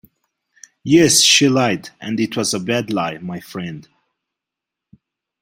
Yes, she lied, and it was a bad lie, my friend.